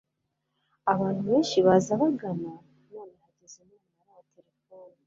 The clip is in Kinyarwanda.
abantu benshi baza bagana, none hageze n'umunara wa telefoni